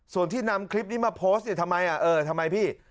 ส่วนที่นำคลิปนี้มาโพสต์เนี่ยทำไมเออทำไมพี่